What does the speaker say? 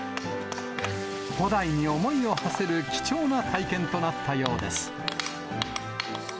古代に思いをはせる貴重な体験となったようです。